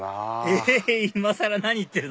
えっ今更何言ってるの？